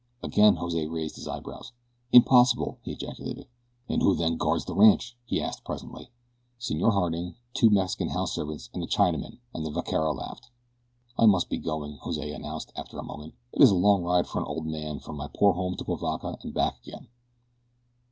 Again Jose raised his eyebrows. "Impossible!" he ejaculated. "And who then guards the ranch?" he asked presently. "Senor Harding, two Mexican house servants, and a Chinaman," and the vaquero laughed. "I must be going," Jose announced after a moment. "It is a long ride for an old man from my poor home to Cuivaca, and back again."